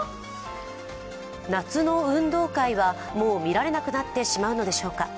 夏の運動会は、もう見られなくなってしまうのでしょうか。